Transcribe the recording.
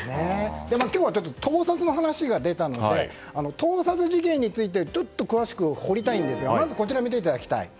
今日は盗撮の話が出たので盗撮事件についてちょっと詳しく掘りたいんですがまずはこちらを見ていただきたい。